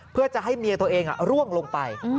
เพื่อจะให้เมียตัวเองร่วงลงไป